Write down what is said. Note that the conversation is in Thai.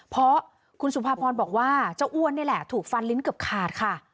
เพราะคุณสุภาพรบอกว่าเจ้าอ้วนนี่แหละถูกฟันลิ้นเกือบขาดค่ะ